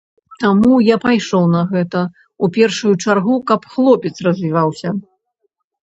Таму я пайшоў на гэта, у першую чаргу, каб хлопец развіваўся.